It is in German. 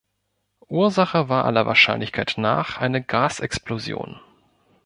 Ursache war aller Wahrscheinlichkeit nach eine Gasexplosion.